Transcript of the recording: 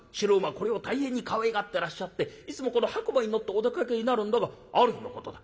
これを大変にかわいがってらっしゃっていつもこの白馬に乗ってお出かけになるんだがある日のことだ